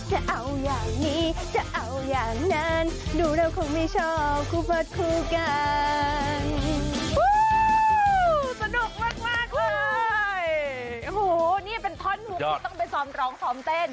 โอ้โหนี่เป็นท่อนมุกที่ต้องไปซ้อมร้องซ้อมเต้น